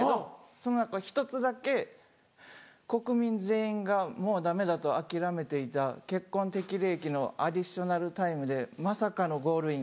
その中の１つだけ「国民全員がもうダメだと諦めていた結婚適齢期のアディショナルタイムでまさかのゴールイン！